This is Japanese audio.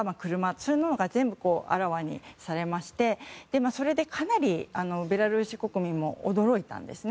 そういうものが全部あらわにされましてそれでかなりベラルーシ国民も驚いたんですね。